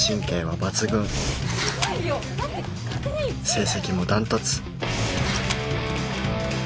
成績も断トツ